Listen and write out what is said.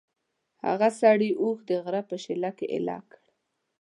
هغه سړي اوښ د غره په شېله کې ایله کړ.